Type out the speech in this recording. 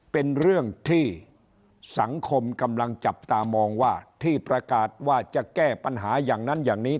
เป็นเรื่องที่สังคมกำลังจับตามองว่าที่ประกาศว่าจะแก้ปัญหาอย่างนั้นอย่างนี้